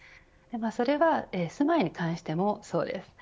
それは住まいに関してもそうです。